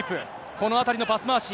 このあたりのパス回し。